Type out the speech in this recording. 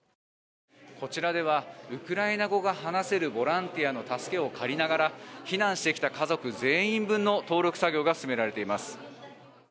こちらではウクライナ語が話せるボランティアの助けを借りながら避難してきた家族全員分の登録作業が進められています。